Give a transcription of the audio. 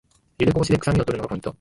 ゆでこぼしでくさみを取るのがポイント